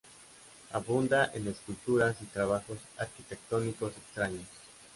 Abunda en esculturas y trabajos arquitectónicos extraños.